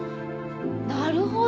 なるほど。